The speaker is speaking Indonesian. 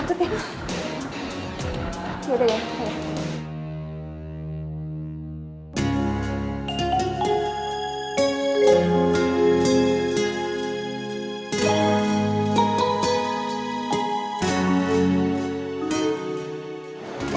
oke udah ya